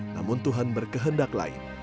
namun tuhan berkehendak lain